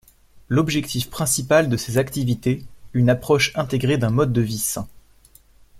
L'objectif principal de ses activités - une approche intégrée d'un mode de vie sain.